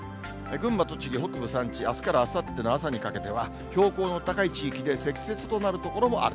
群馬、栃木、北部山地、あすからあさっての朝にかけては、標高の高い地域で積雪となる所もある。